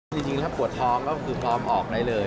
จริงถ้าปวดท้องก็คือพร้อมออกได้เลย